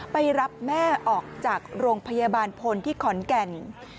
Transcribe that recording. ไปรับแม่ออกจากโรงพยาบาลพลที่ขอนแก่น